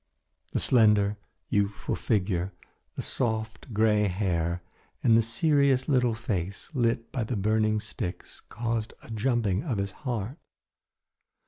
The slender, youthful figure, the soft grey hair and the serious little face, lit by the burning sticks caused a jumping of his heart.